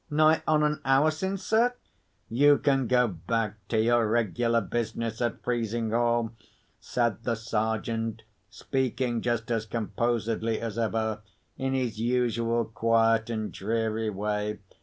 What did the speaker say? "Nigh on an hour since, sir." "You can go back to your regular business at Frizinghall," said the Sergeant, speaking just as composedly as ever, in his usual quiet and dreary way.